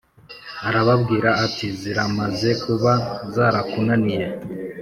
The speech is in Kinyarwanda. Arababwira ati Ziramaze kuba zarakunaniye